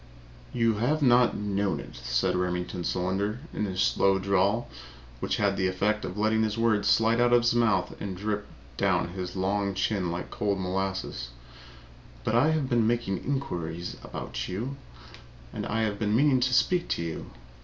"You have not known it," said Remington Solander in his slow drawl, which had the effect of letting his words slide out of his mouth and drip down his long chin like cold molasses, "but I have been making inquiries about you, and I have been meaning to speak to you.